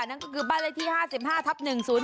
นั่นก็คือบ้านเลขที่๕๕ทับ๑๐๔